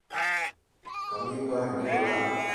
噉應該係呢個喇